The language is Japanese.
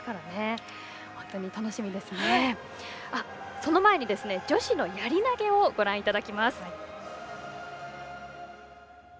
その前に、女子のやり投げをご覧いただきます。